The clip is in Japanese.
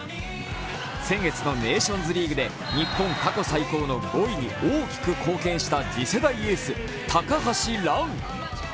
先月のネーションズリーグで日本過去最高の５位に大きく貢献した次世代エース・高橋藍。